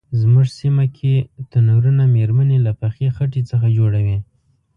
زمونږ سیمه کې تنرونه میرمنې له پخې خټې څخه جوړوي.